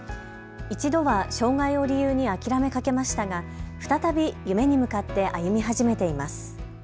一度は障害を理由に諦めかけましたが再び夢に向かって歩み始めています。